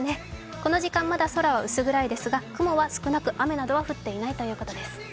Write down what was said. この時間まだ空は薄暗いですが、雲は少なく、雨などは降っていないということです。